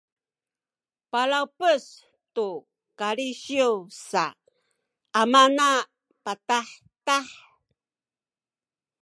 palawpes tu kalisiw sa amana patahtah